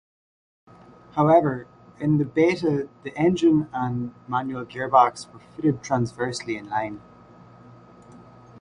However, in the Beta the engine and manual gearbox were fitted transversely in-line.